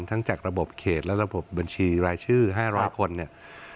จากระบบเขตและระบบบัญชีรายชื่อ๕๐๐คนเนี่ย